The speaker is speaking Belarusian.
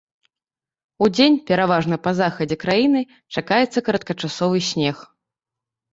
Удзень пераважна па захадзе краіны чакаецца кароткачасовы снег.